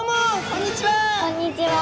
こんにちは。